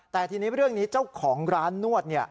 แต่ทีนี้เรื่องนี้เจ้าของร้านนวด